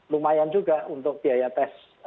lumayan juga untuk biaya tes